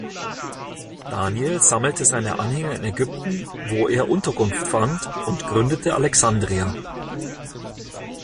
Daniel sammelte seine Anhänger in Ägypten, wo er Unterkunft fand, und gründete Alexandria.